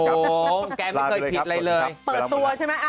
โอ้แกไม่เคยผิดอะไรเลย